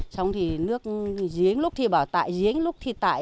xong thì nước giếng lúc thì bảo tại giếng lúc thì tại